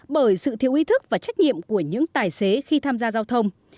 bởi sự thiếu ý thức và trách nhiệm của những tài xế khi tham gia giao thông